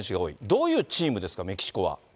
どういうチームですか、メキシコは。